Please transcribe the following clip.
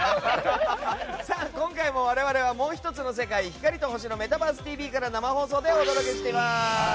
今回も我々はもう１つの世界光と星のメタバース六本木から生放送でお届けしております。